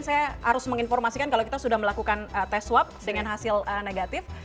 saya harus menginformasikan kalau kita sudah melakukan tes swab dengan hasil negatif